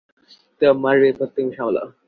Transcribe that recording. তোমার বিপদ তুমি সামলাও।